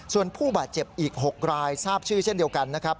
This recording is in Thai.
ส่วนผู้บาดเจ็บอีก๖รายทราบชื่อเช่นเดียวกันนะครับ